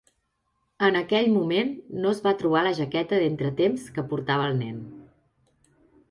En aquell moment no es va trobar la jaqueta d"entretemps que portava el nen.